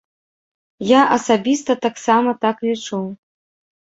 Я асабіста таксама так лічу.